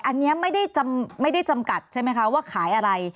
อันนี้ไม่ได้จำกัดใช่ไหมคะว่าขายอะไร